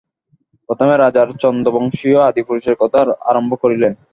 প্রথমে রাজার চন্দ্রবংশীয় আদিপুরুষের কথা আরম্ভ করিলেন।